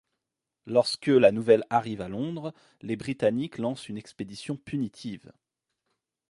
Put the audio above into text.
Lorsque la nouvelle arrive à Londres, les Britanniques lancent une expédition punitive.